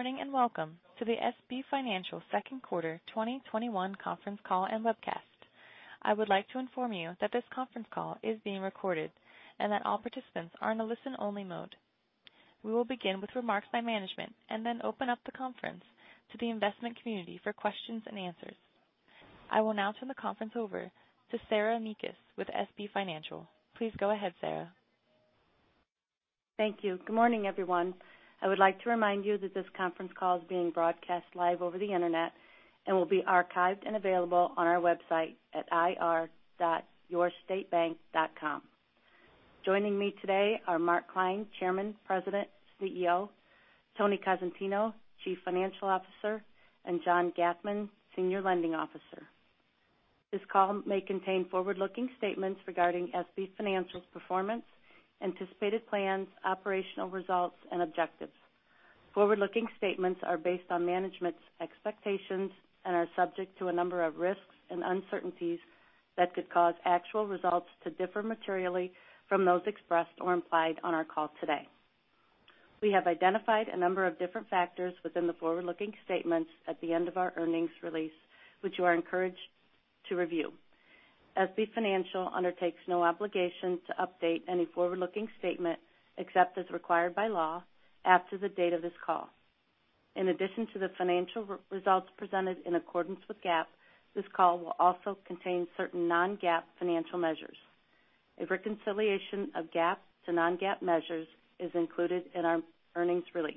Good morning, and welcome to the SB Financial second quarter 2021 conference call and webcast. I would like to inform you that this conference call is being recorded, and that all participants are in a listen-only mode. We will begin with remarks by management and then open up the conference to the investment community for questions and answers. I will now turn the conference over to Sarah Mekus with SB Financial. Please go ahead, Sarah. Thank you. Good morning, everyone. I would like to remind you that this conference call is being broadcast live over the Internet and will be archived and available on our website at ir.yourstatebank.com. Joining me today are Mark Klein, Chairman, President, CEO; Tony Cosentino, Chief Financial Officer; and Jon Gathman, Senior Lending Officer. This call may contain forward-looking statements regarding SB Financial's performance, anticipated plans, operational results, and objectives. Forward-looking statements are based on management's expectations and are subject to a number of risks and uncertainties that could cause actual results to differ materially from those expressed or implied on our call today. We have identified a number of different factors within the forward-looking statements at the end of our earnings release, which you are encouraged to review. SB Financial undertakes no obligation to update any forward-looking statement, except as required by law, after the date of this call. In addition to the financial results presented in accordance with GAAP, this call will also contain certain non-GAAP financial measures. A reconciliation of GAAP to non-GAAP measures is included in our earnings release.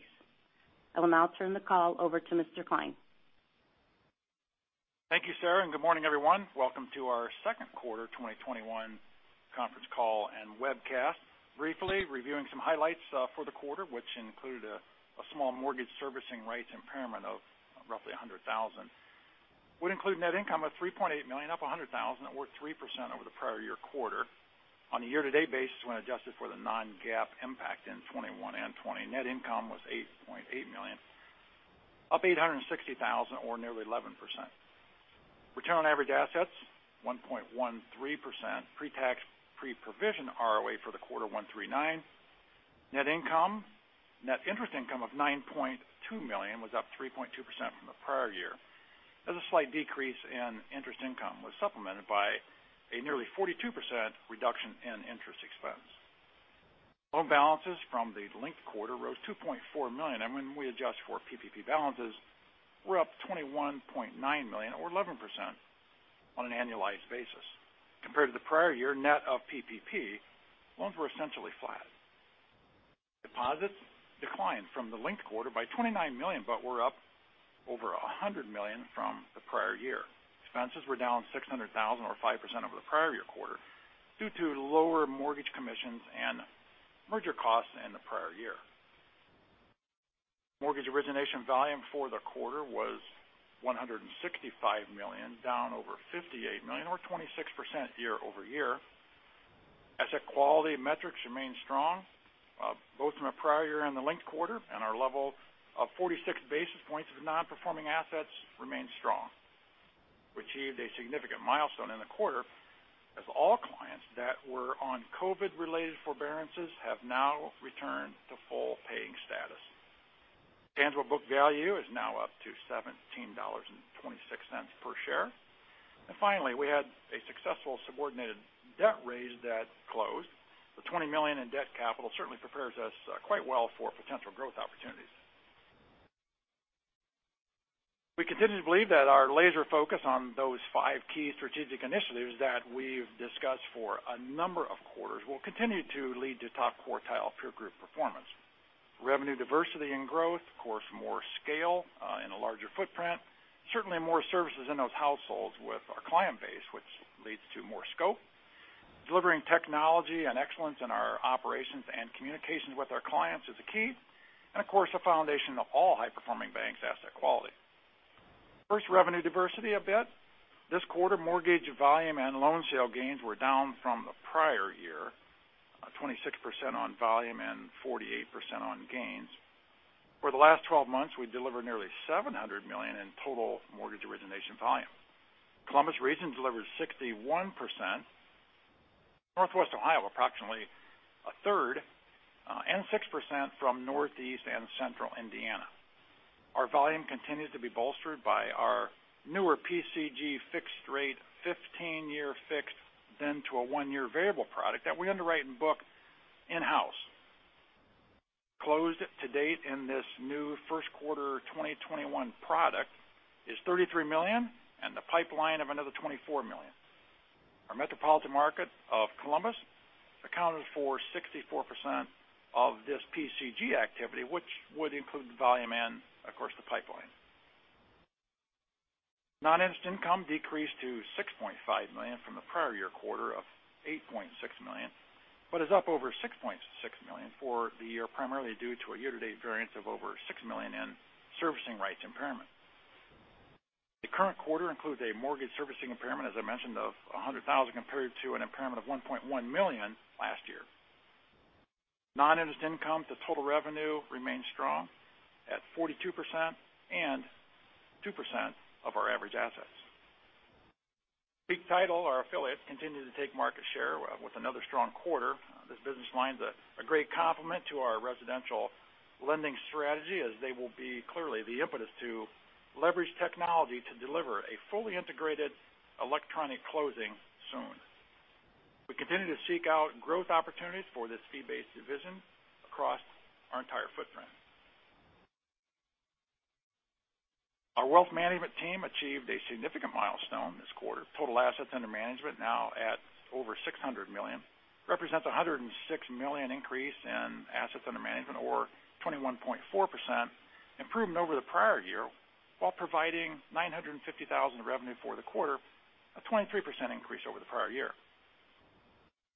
I will now turn the call over to Mr. Klein. Thank you, Sarah. Good morning, everyone. Welcome to our second quarter 2021 conference call and webcast. Briefly reviewing some highlights for the quarter, which include a small mortgage servicing rights impairment of roughly $100,000. Would include net income of $3.8 million, up $100,000, or 3% over the prior year quarter. On a year-to-date basis, when adjusted for the non-GAAP impact in 2021 and 2020, net income was $8.8 million, up $860,000, or nearly 11%. Return on average assets, 1.13%. Pre-tax, pre-provision ROA for the quarter, 139. Net interest income of $9.2 million was up 3.2% from the prior year, as a slight decrease in interest income was supplemented by a nearly 42% reduction in interest expense. Loan balances from the linked quarter rose $2.4 million, and when we adjust for PPP balances, we're up $21.9 million or 11% on an annualized basis. Compared to the prior year net of PPP, loans were essentially flat. Deposits declined from the linked quarter by $29 million, but were up over $100 million from the prior year. Expenses were down $600,000 or 5% over the prior year quarter due to lower mortgage commissions and merger costs in the prior year. Mortgage origination volume for the quarter was $165 million, down over $58 million or 26% year-over-year. Asset quality metrics remain strong, both from the prior year and the linked quarter, and our level of 46 basis points of non-performing assets remains strong. We achieved a significant milestone in the quarter, as all clients that were on COVID related forbearances have now returned to full paying status. tangible book value is now up to $17.26 per share. And finally, we had a successful subordinated debt raise that closed. The $20 million in debt capital certainly prepares us quite well for potential growth opportunities. We continue to believe that our laser focus on those five key strategic initiatives that we've discussed for a number of quarters will continue to lead to top quartile peer group performance. Revenue diversity and growth, of course, more scale and a larger footprint. Certainly more services in those households with our client base, which leads to more scope. Delivering technology and excellence in our operations and communications with our clients is a key. Of course, the foundation of all high-performing banks, asset quality. First, revenue diversity a bit. This quarter, mortgage volume and loan sale gains were down from the prior year, 26% on volume and 48% on gains. For the last 12 months, we delivered nearly $700 million in total mortgage origination volume. Columbus region delivered 61%, Northwest Ohio approximately a third, and 6% from Northeast and Central Indiana. Our volume continues to be bolstered by our newer PCG fixed rate 15 year fixed, then to a one year variable product that we underwrite and book in-house. Closed to date in this new first quarter 2021 product is $33 million and the pipeline of another $24 million. Our metropolitan market of Columbus accounted for 64% of this PCG activity, which would include the volume and, of course, the pipeline. Non-interest income decreased to $6.5 million from the prior year quarter of $8.6 million, but is up over $6.6 million for the year, primarily due to a year-to-date variance of over $6 million in servicing rights impairment. The current quarter includes a mortgage servicing impairment, as I mentioned, of $100,000 compared to an impairment of $1.1 million last year. Non-interest income to total revenue remains strong at 42% and 2% of our average assets. Peak Title, our affiliate, continued to take market share with another strong quarter. This business line's a great complement to our residential lending strategy, as they will be clearly the impetus to leverage technology to deliver a fully integrated electronic closing soon. We continue to seek out growth opportunities for this fee-based division across our entire footprint. Our wealth management team achieved a significant milestone this quarter. Total assets under management now at over $600 million, represents a $106 million increase in assets under management or 21.4% improvement over the prior year, while providing $950,000 of revenue for the quarter, a 23% increase over the prior year.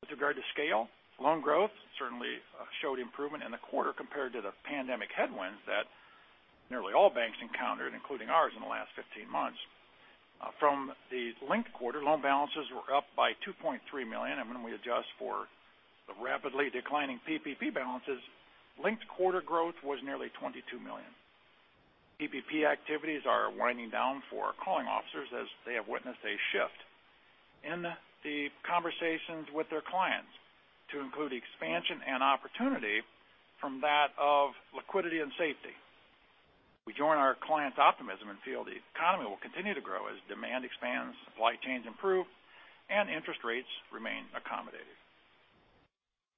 With regard to scale, loan growth certainly showed improvement in the quarter compared to the pandemic headwinds that nearly all banks encountered, including ours, in the last 15 months. From the linked quarter, loan balances were up by $2.3 million, and when we adjust for the rapidly declining PPP balances, linked quarter growth was nearly $22 million. PPP activities are winding down for calling officers as they have witnessed a shift in the conversations with their clients to include expansion and opportunity from that of liquidity and safety. We join our clients' optimism and feel the economy will continue to grow as demand expands, supply chains improve, and interest rates remain accommodative.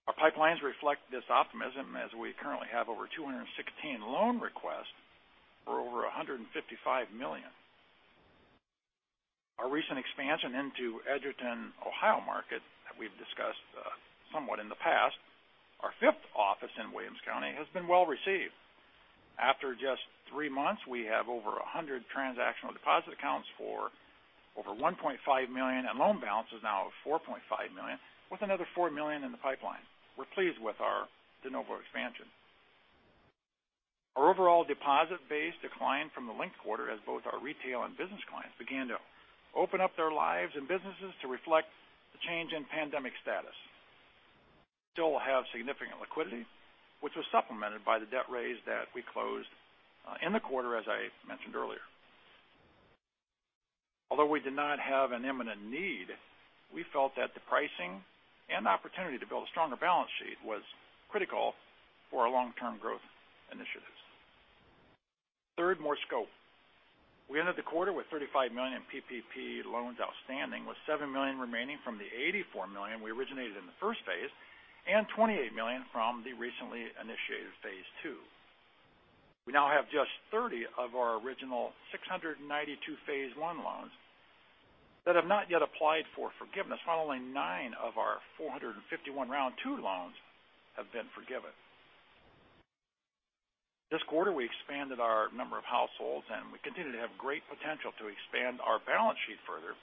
Our pipelines reflect this optimism as we currently have over 216 loan requests for over $155 million. Our recent expansion into Edon, Ohio market that we've discussed somewhat in the past, our fifth office in Williams County, has been well received. After just three months, we have over 100 transactional deposit accounts for over $1.5 million and loan balances now of $4.5 million, with another $4 million in the pipeline. We're pleased with our de novo expansion. Our overall deposit base declined from the linked quarter as both our retail and business clients began to open up their lives and businesses to reflect the change in pandemic status. Still have significant liquidity, which was supplemented by the debt raise that we closed in the quarter, as I mentioned earlier. Although we did not have an imminent need, we felt that the pricing and opportunity to build a stronger balance sheet was critical for our long-term growth initiatives. Third, more scope. We ended the quarter with $35 million PPP loans outstanding, with $7 million remaining from the $84 million we originated in the Phase l and $28 million from the recently initiated Phase ll. We now have just 30 of our original 692 phase l loans that have not yet applied for forgiveness, while only nine of our 451 round two loans have been forgiven. This quarter, we expanded our number of households. We continue to have great potential to expand our balance sheet further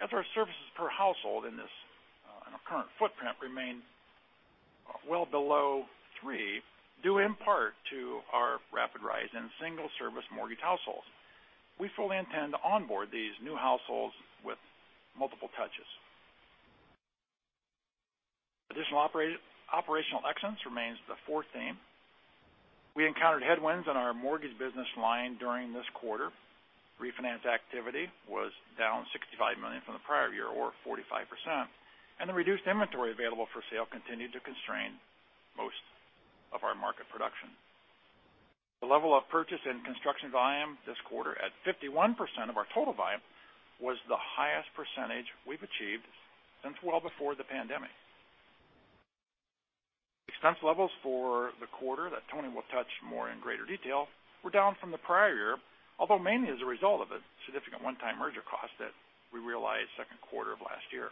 as our services per household in our current footprint remain well below three, due in part to our rapid rise in single-service mortgage households. We fully intend to onboard these new households with multiple touches. Additional operational excellence remains the fourth theme. We encountered headwinds on our mortgage business line during this quarter. Refinance activity was down $65 million from the prior year, or 45%, and the reduced inventory available for sale continued to constrain most of our market production. The level of purchase and construction volume this quarter, at 51% of our total volume, was the highest percentage we've achieved since well before the pandemic. Expense levels for the quarter that Tony will touch more in greater detail were down from the prior year, although mainly as a result of a significant one-time merger cost that we realized Second quarter of last year.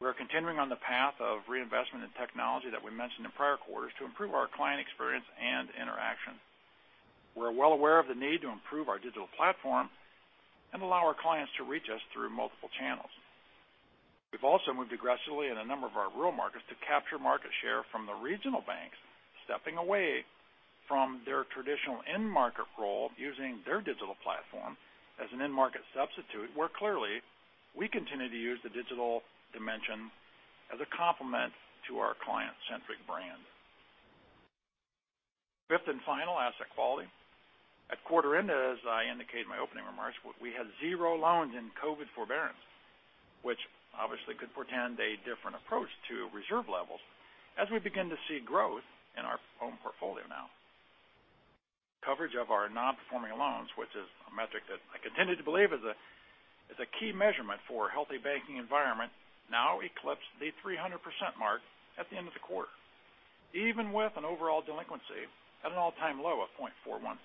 We are continuing on the path of reinvestment in technology that we mentioned in prior quarters to improve our client experience and interaction. We're well aware of the need to improve our digital platform and allow our clients to reach us through multiple channels. We've also moved aggressively in a number of our rural markets to capture market share from the regional banks stepping away from their traditional end market role, using their digital platform as an end market substitute, where clearly we continue to use the digital dimension as a complement to our client-centric brand. Fifth and final, asset quality. At quarter end, as I indicated in my opening remarks, we had zero loans in COVID forbearance, which obviously could portend a different approach to reserve levels as we begin to see growth in our home portfolio now. Coverage of our non-performing loans, which is a metric that I continue to believe is a key measurement for a healthy banking environment, now eclipsed the 300% mark at the end of the quarter, even with an overall delinquency at an all-time low of 0.41%.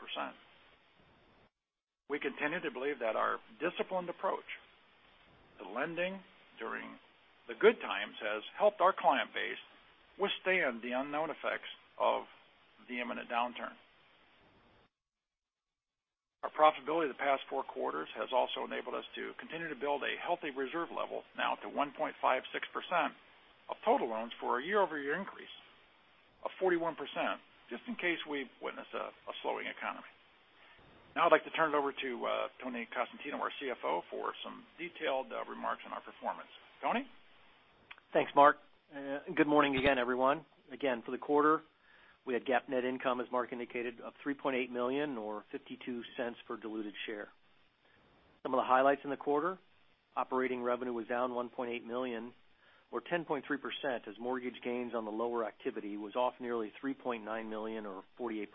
We continue to believe that our disciplined approach to lending during the good times has helped our client base withstand the unknown effects of the imminent downturn. Our profitability the past four quarters has also enabled us to continue to build a healthy reserve level, now to 1.56% of total loans for a year-over-year increase of 41%, just in case we witness a slowing economy. Now I'd like to turn it over to Tony Cosentino, our CFO, for some detailed remarks on our performance. Tony? Thanks, Mark. Good morning again, everyone. Again, for the quarter, we had GAAP net income, as Mark indicated, of $3.8 million or $0.52 per diluted share. Some of the highlights in the quarter, operating revenue was down $1.8 million or 10.3% as mortgage gains on the lower activity was off nearly $3.9 million or 48%.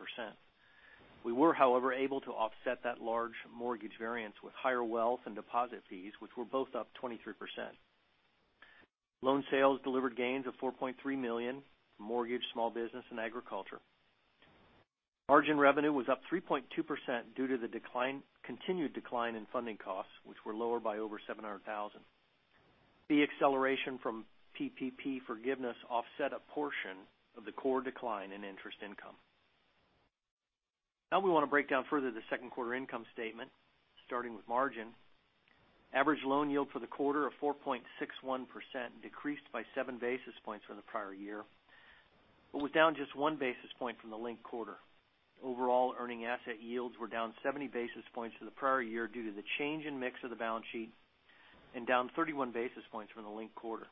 We were, however, able to offset that large mortgage variance with higher wealth and deposit fees, which were both up 23%. Loan sales delivered gains of $4.3 million, mortgage, small business, and agriculture. Margin revenue was up 3.2% due to the continued decline in funding costs, which were lower by over $700,000. Fee acceleration from PPP forgiveness offset a portion of the core decline in interest income. Now we want to break down further the second quarter income statement, starting with margin. Average loan yield for the quarter of 4.61%, decreased by 7 basis points from the prior year, but was down just 1 basis point from the linked quarter. Overall, earning asset yields were down 70 basis points from the prior year due to the change in mix of the balance sheet and down 31 basis points from the linked quarter.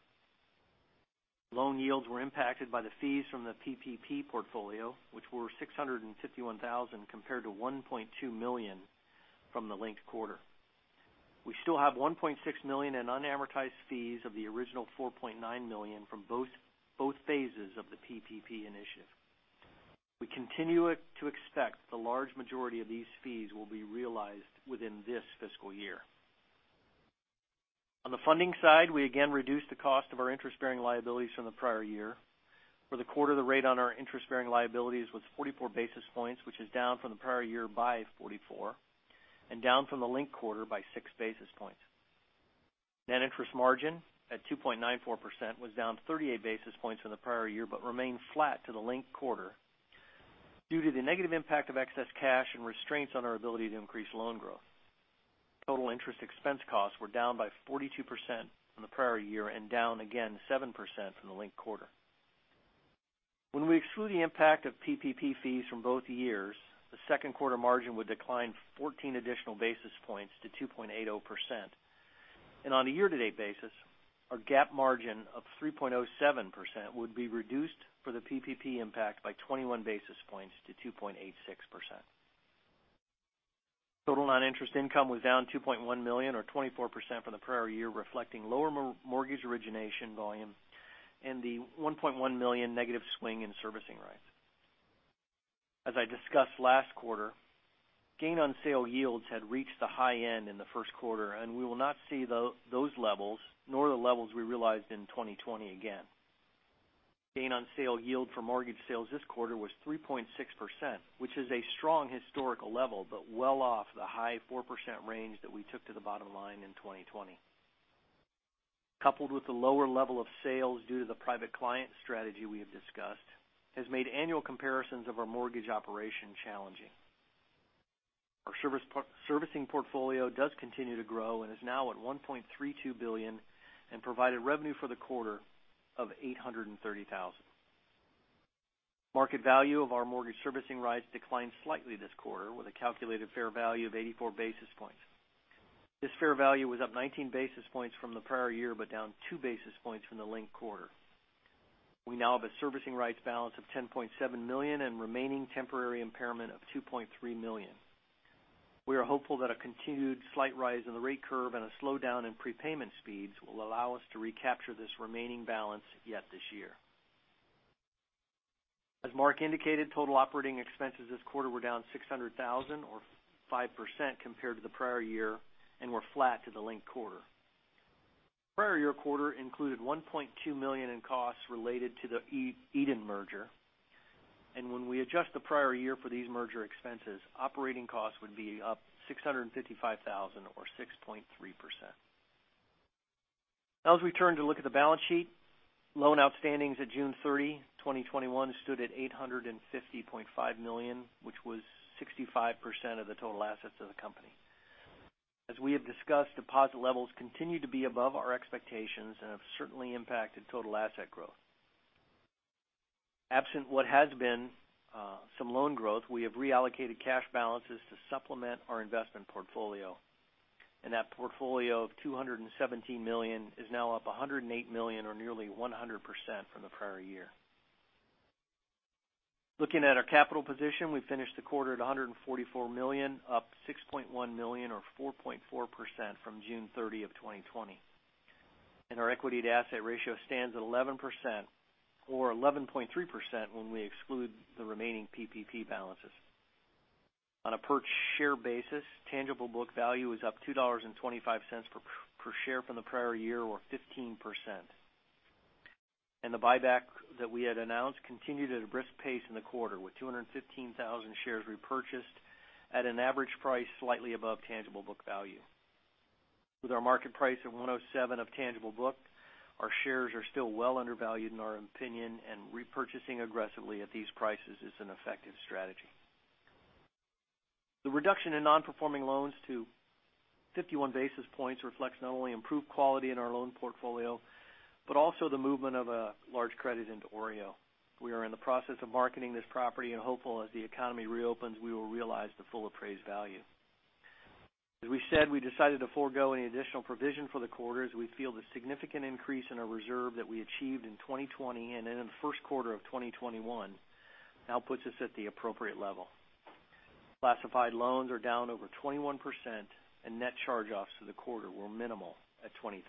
Loan yields were impacted by the fees from the PPP portfolio, which were $651,000 compared to $1.2 million from the linked quarter. We still have $1.6 million in unamortized fees of the original $4.9 million from both phases of the PPP initiative. We continue to expect the large majority of these fees will be realized within this fiscal year. On the funding side, we again reduced the cost of our interest-bearing liabilities from the prior year. For the quarter, the rate on our interest-bearing liabilities was 44 basis points, which is down from the prior year by 44, and down from the linked quarter by 6 basis points. Net interest margin at 2.94% was down 38 basis points from the prior year, but remained flat to the linked quarter due to the negative impact of excess cash and restraints on our ability to increase loan growth. Total interest expense costs were down by 42% from the prior year and down again 7% from the linked quarter. When we exclude the impact of PPP fees from both years, the second quarter margin would decline 14 additional basis points to 2.80%. On a year-to-date basis, our GAAP margin of 3.07% would be reduced for the PPP impact by 21 basis points to 2.86%. Total non-interest income was down $2.1 million or 24% from the prior year, reflecting lower mortgage origination volume and the $1.1 million negative swing in servicing rights. As I discussed last quarter, gain-on-sale yields had reached the high end in the first quarter, and we will not see those levels, nor the levels we realized in 2020 again. Gain-on-sale yield for mortgage sales this quarter was 3.6%, which is a strong historical level, but well off the high 4% range that we took to the bottom line in 2020. Coupled with the lower level of sales due to the private client strategy we have discussed, has made annual comparisons of our mortgage operation challenging. Our servicing portfolio does continue to grow and is now at $1.32 billion and provided revenue for the quarter of $830,000. Market value of our mortgage servicing rights declined slightly this quarter with a calculated fair value of 84 basis points. This fair value was up 19 basis points from the prior year, but down 2 basis points from the linked quarter. We now have a servicing rights balance of $10.7 million and remaining temporary impairment of $2.3 million. We are hopeful that a continued slight rise in the rate curve and a slowdown in prepayment speeds will allow us to recapture this remaining balance yet this year. As Mark indicated, total operating expenses this quarter were down $600,000 or 5% compared to the prior year and were flat to the linked quarter. Prior year quarter included $1.2 million in costs related to the Edon merger. When we adjust the prior year for these merger expenses, operating costs would be up $655,000 or 6.3%. As we turn to look at the balance sheet, loan outstandings at June 30, 2021, stood at $850.5 million, which was 65% of the total assets of the company. As we have discussed, deposit levels continue to be above our expectations and have certainly impacted total asset growth. Absent what has been some loan growth, we have reallocated cash balances to supplement our investment portfolio, that portfolio of $217 million is now up $108 million or nearly 100% from the prior year. Looking at our capital position, we finished the quarter at $144 million, up $6.1 million or 4.4% from June 30, 2020. Our equity-to-asset ratio stands at 11%, or 11.3% when we exclude the remaining PPP balances. On a per-share basis, tangible book value is up $2.25 per share from the prior year or 15%. The buyback that we had announced continued at a brisk pace in the quarter, with 215,000 shares repurchased at an average price slightly above tangible book value. With our market price of $107 of tangible book, our shares are still well undervalued in our opinion, and repurchasing aggressively at these prices is an effective strategy. The reduction in non-performing loans to 51 basis points reflects not only improved quality in our loan portfolio, but also the movement of a large credit into OREO. We are in the process of marketing this property and hopeful as the economy reopens, we will realize the full appraised value. As we said, we decided to forego any additional provision for the quarter as we feel the significant increase in our reserve that we achieved in 2020 and in the first quarter of 2021 now puts us at the appropriate level. Classified loans are down over 21%, and net charge-offs for the quarter were minimal at $20,000.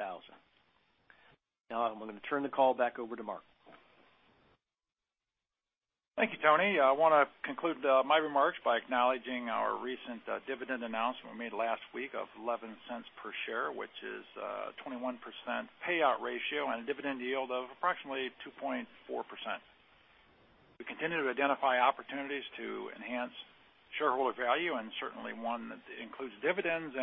Now I'm going to turn the call back over to Mark. Thank you, Tony. I want to conclude my remarks by acknowledging our recent dividend announcement made last week of $0.11 per share, which is a 21% payout ratio and a dividend yield of approximately 2.4%. We continue to identify opportunities to enhance shareholder value, certainly one that includes dividends,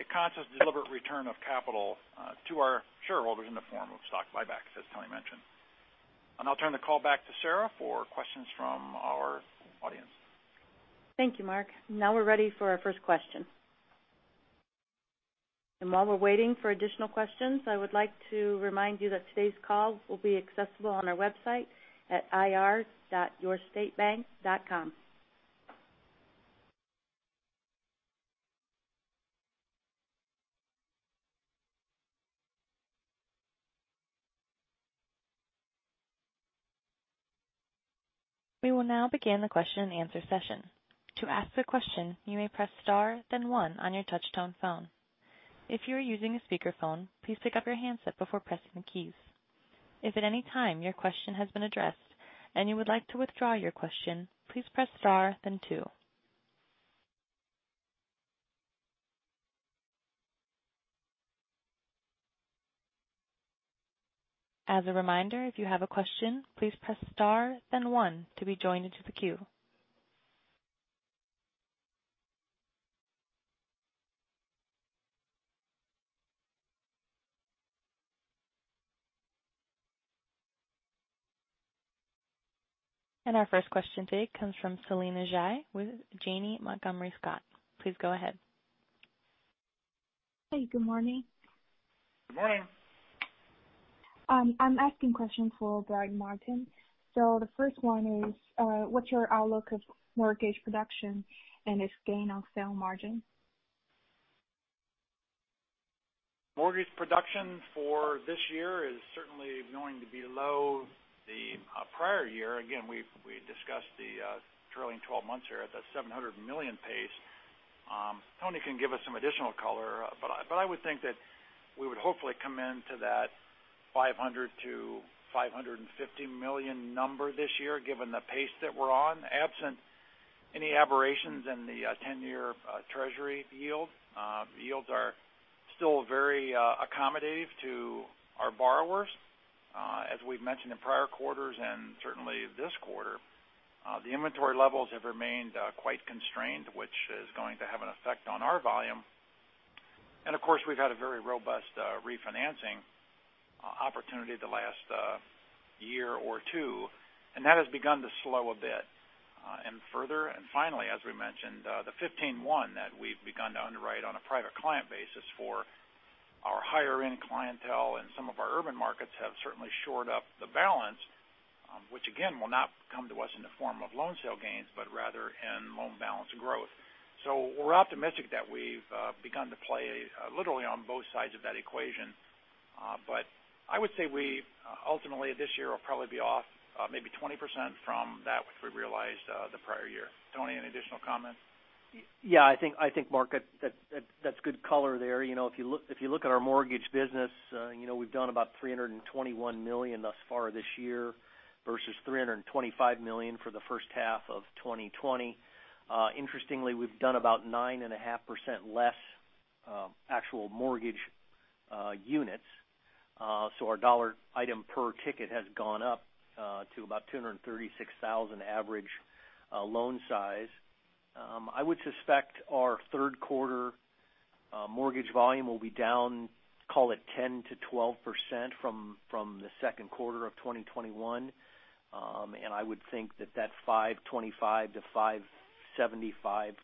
it consists of deliberate return of capital to our shareholders in the form of stock buybacks, as Tony mentioned. I'll turn the call back to Sarah for questions from our audience. Thank you, Mark. Now we're ready for our first question. While we're waiting for additional questions, I would like to remind you that today's call will be accessible on our website at ir.yourstatebank.com. We will now begin the question and answer session. To ask a question, you may press star then one on your touchtone phone. If you are using a speakerphone, please pick up your handset before pressing the keys. If at any time your question has been addressed and you would like to withdraw your question, please press star then two. As a reminder, if you have a question, please press star then one to be joined into the queue. Our first question today comes from Selena Jai with Janney Montgomery Scott. Please go ahead. Hey, good morning. Good morning. I'm asking questions for Brian Martin. The first one is, what's your outlook of mortgage production and its gain on sale margin? Mortgage production for this year is certainly going to be low the prior year. We discussed the trailing 12 months here at the $700 million pace. Tony can give us some additional color, I would think that we would hopefully come in to that $500 million-$550 million number this year, given the pace that we're on, absent any aberrations in the 10-year Treasury yield. Yields are still very accommodative to our borrowers. We've mentioned in prior quarters and certainly this quarter, the inventory levels have remained quite constrained, which is going to have an effect on our volume. Of course, we've had a very robust refinancing opportunity the last year or two, and that has begun to slow a bit. Further, and finally, as we mentioned, the 15-1 that we've begun to underwrite on a private client basis for our higher-end clientele and some of our urban markets have certainly shored up the balance, which again, will not come to us in the form of loan sale gains, but rather in loan balance growth. We're optimistic that we've begun to play literally on both sides of that equation. But I would say we ultimately this year will probably be off maybe 20% from that which we realized the prior year. Tony, any additional comments? Yeah, I think, Mark, that's good color there. If you look at our mortgage business, we've done about $321 million thus far this year versus $325 million for the first half of 2020. Interestingly, we've done about 9.5% less actual mortgage units. Our dollar item per ticket has gone up to about $236,000 average loan size. I would suspect our third quarter mortgage volume will be down, call it 10%-12% from the second quarter of 2021. I would think that $525 million-$575 million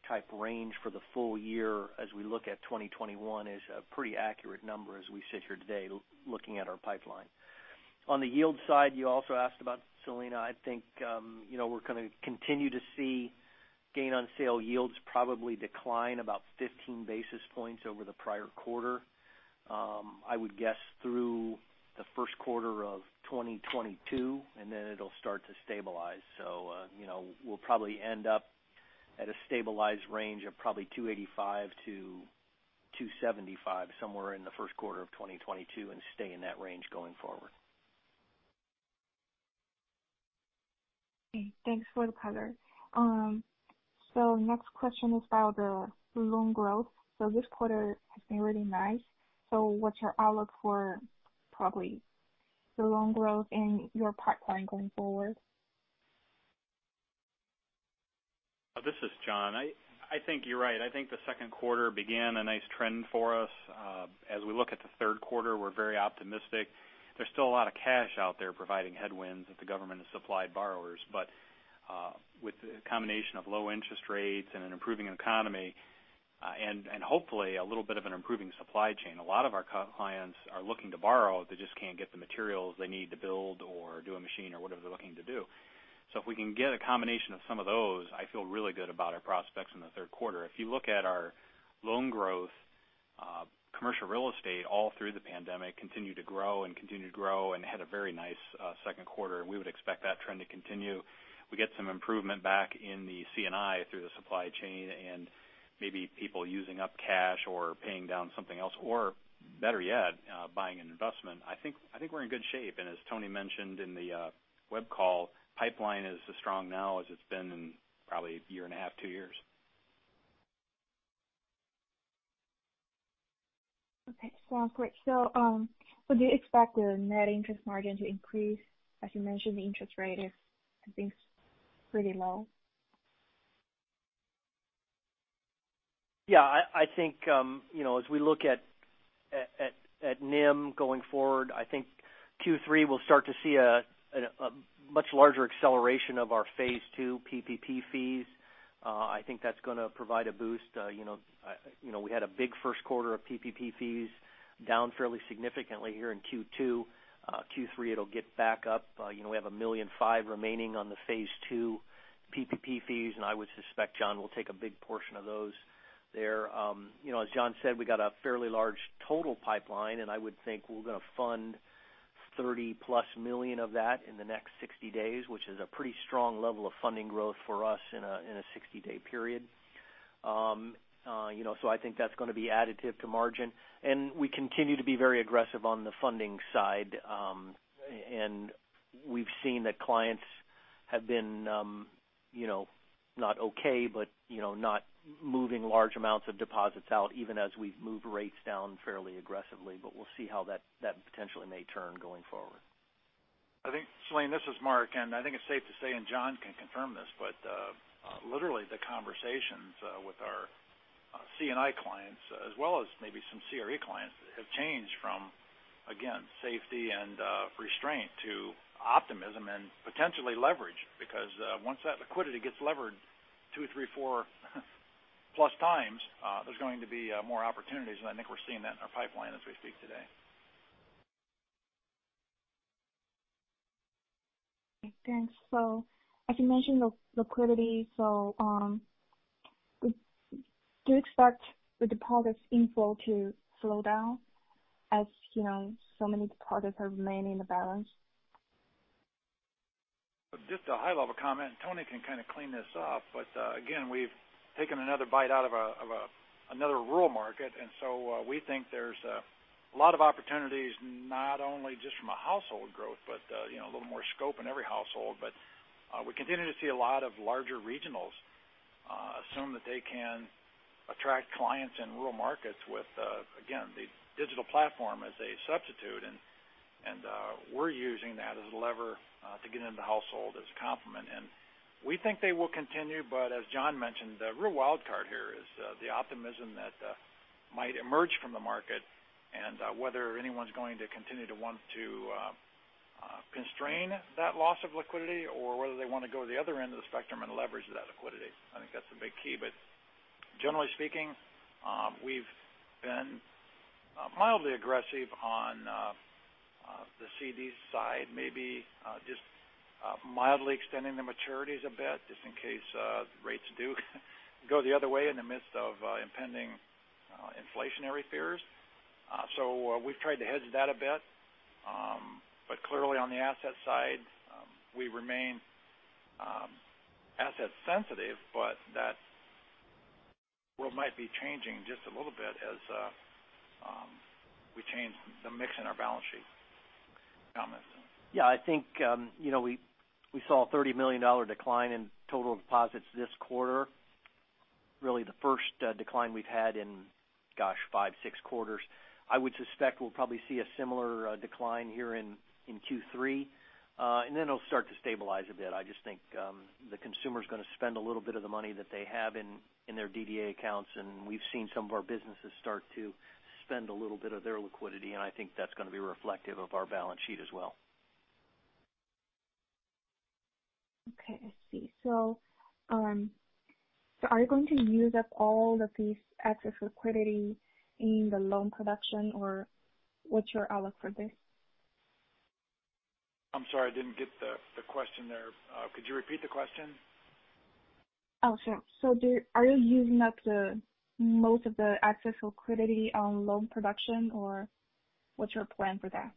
type range for the full year as we look at 2021 is a pretty accurate number as we sit here today looking at our pipeline. On the yield side, you also asked about, Selena, I think we're going to continue to see gain on sale yields probably decline about 15 basis points over the prior quarter, I would guess through the first quarter of 2022, and then it'll start to stabilize. We'll probably end up at a stabilized range of probably 2.85%-2.75% somewhere in the first quarter of 2022 and stay in that range going forward. Okay, thanks for the color. Next question is about the loan growth. This quarter has been really nice. What's your outlook for probably the loan growth and your pipeline going forward? This is Jon. I think you're right. I think the second quarter began a nice trend for us. As we look at the third quarter, we're very optimistic. There's still a lot of cash out there providing headwinds that the government has supplied borrowers. With the combination of low interest rates and an improving economy, and hopefully a little bit of an improving supply chain, a lot of our clients are looking to borrow. They just can't get the materials they need to build or do a machine or whatever they're looking to do. If we can get a combination of some of those, I feel really good about our prospects in the third quarter. If you look at our loan growth, commercial real estate, all through the pandemic, continued to grow and had a very nice second quarter, and we would expect that trend to continue. We get some improvement back in the C&I through the supply chain and maybe people using up cash or paying down something else, or better yet, buying an investment. I think we're in good shape. As Tony mentioned in the web call, pipeline is as strong now as it's been in probably year and a half, two years. Okay. Sounds great. Do you expect the net interest margin to increase? As you mentioned, the interest rate is, I think, pretty low. Yeah, I think as we look at NIM going forward, I think Q3 will start to see a much larger acceleration of our Phase ll PPP fees. I think that's going to provide a boost. We had a big 1st quarter of PPP fees down fairly significantly here in Q2. Q3 it'll get back up. We have $1.5 million remaining on the Phase ll PPP fees, and I would suspect Jon will take a big portion of those there. As John said, we got a fairly large total pipeline, and I would think we're going to fund $30+ million of that in the next 60 days, which is a pretty strong level of funding growth for us in a 60-day period. I think that's going to be additive to margin, and we continue to be very aggressive on the funding side. We've seen that clients have been not okay, but not moving large amounts of deposits out, even as we've moved rates down fairly aggressively. We'll see how that potentially may turn going forward. I think, Selena, this is Mark. I think it's safe to say, Jon can confirm this, literally the conversations with our C&I clients as well as maybe some CRE clients have changed from, again, safety and restraint to optimism and potentially leverage. Once that liquidity gets levered two, three, four plus times, there's going to be more opportunities. I think we're seeing that in our pipeline as we speak today. Okay, thanks. As you mentioned, liquidity. Do you expect the deposits inflow to slow down as so many deposits have remained in the balance? Just a high level comment. Tony can kind of clean this up. Again, we've taken another bite out of another rural market. We think there's a lot of opportunities, not only just from a household growth, but a little more scope in every household. We continue to see a lot of larger regionals assume that they can attract clients in rural markets with, again, the digital platform as a substitute. We're using that as a lever to get into the household as a complement. We think they will continue, but as John mentioned, the real wild card here is the optimism that might emerge from the market and whether anyone's going to continue to want to constrain that loss of liquidity or whether they want to go to the other end of the spectrum and leverage that liquidity. I think that's the big key. Generally speaking, we've been mildly aggressive on the CDs side, maybe just mildly extending the maturities a bit just in case rates do go the other way in the midst of impending inflationary fears. We've tried to hedge that a bit. Clearly on the asset side, we remain asset sensitive, but that world might be changing just a little bit as we change the mix in our balance sheet comments. Yeah, I think we saw a $30 million decline in total deposits this quarter. Really the first decline we've had in, gosh, five, six quarters. I would suspect we'll probably see a similar decline here in Q3, and then it'll start to stabilize a bit. I just think the consumer's going to spend a little bit of the money that they have in their DDA accounts, and we've seen some of our businesses start to spend a little bit of their liquidity. I think that's going to be reflective of our balance sheet as well. Okay, I see. Are you going to use up all of this excess liquidity in the loan production, or what's your outlook for this? I'm sorry, I didn't get the question there. Could you repeat the question? Oh, sure. Are you using up the most of the excess liquidity on loan production, or what's your plan for that?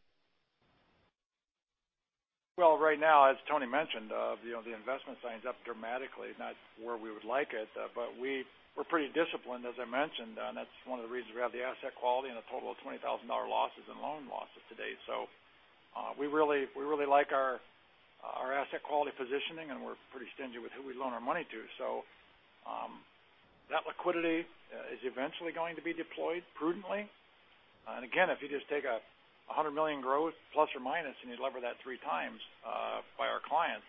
Well, right now, as Tony mentioned, the investment side is up dramatically. Not where we would like it, but we're pretty disciplined, as I mentioned. That's one of the reasons we have the asset quality and a total of $20,000 losses and loan losses to date. We really like our asset quality positioning, and we're pretty stingy with who we loan our money to. That liquidity is eventually going to be deployed prudently. Again, if you just take a $100 million growth plus or minus, and you lever that three times by our clients,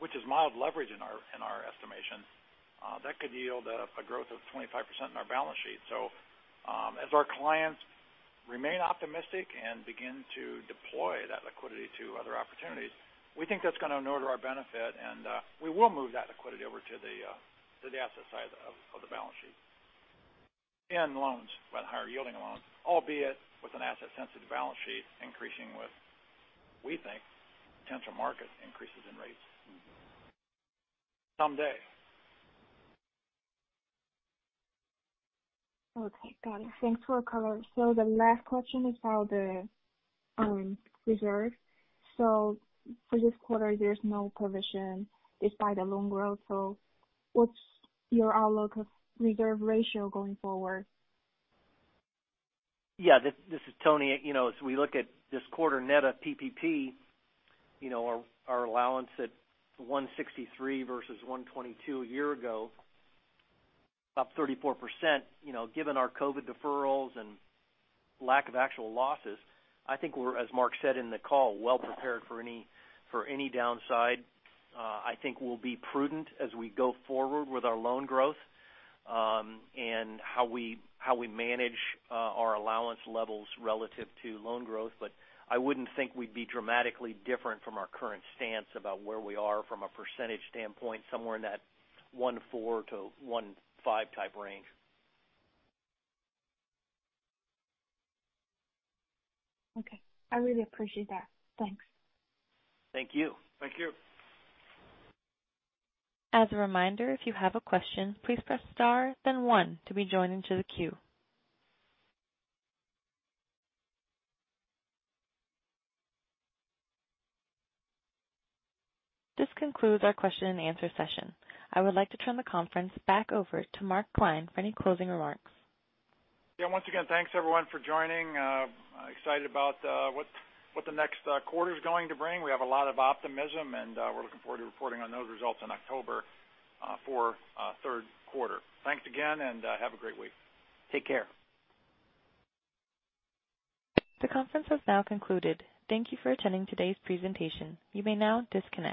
which is mild leverage in our estimation, that could yield a growth of 25% in our balance sheet. As our clients remain optimistic and begin to deploy that liquidity to other opportunities, we think that's going to inure to our benefit, and we will move that liquidity over to the asset side of the balance sheet, in loans, but higher yielding loans, albeit with an asset sensitive balance sheet increasing with, we think, potential market increases in rates someday. Okay, got it. Thanks for the color. The last question is about the reserves. For this quarter, there's no provision despite the loan growth. What's your outlook of reserve ratio going forward? Yeah. This is Tony. We look at this quarter net of PPP, our allowance at 1.63% versus 1.22 a year ago, up 34%. Given our COVID deferrals and lack of actual losses, I think we're, as Mark said in the call, well prepared for any downside. I think we'll be prudent as we go forward with our loan growth, and how we manage our allowance levels relative to loan growth. I wouldn't think we'd be dramatically different from our current stance about where we are from a percentage standpoint, somewhere in that 1.4%-1.5% type range. Okay. I really appreciate that. Thanks. Thank you. Thank you. As a reminder, if you have a question, please press star then one to be joined into the queue. This concludes our question and answer session. I would like to turn the conference back over to Mark Klein for any closing remarks. Yeah. Once again, thanks everyone for joining. Excited about what the next quarter is going to bring. We have a lot of optimism, and we're looking forward to reporting on those results in October for third quarter. Thanks again, and have a great week. Take care. The conference has now concluded. Thank you for attending today's presentation. You may now disconnect.